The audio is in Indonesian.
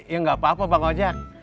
ya gak apa apa pak ojak